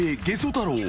太郎